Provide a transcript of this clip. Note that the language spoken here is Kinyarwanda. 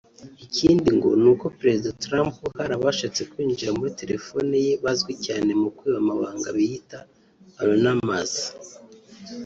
Ikindi ngo ni uko perezida Trump hari abashatse kwinjira muri telephone ye bazwi cyane mukwiba amabanga biyita Anonymous